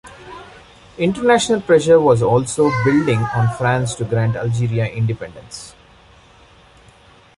International pressure was also building on France to grant Algeria independence.